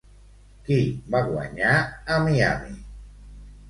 Qui va guanyar a Miami?